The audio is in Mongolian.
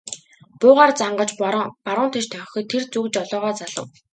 Буугаар зангаж баруун тийш дохиход тэр зүг жолоогоо залав.